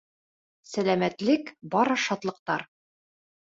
Сәләмәтлек, бары шатлыҡтар.